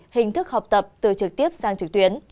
hình thức học tập từ trực tiếp sang trực tuyến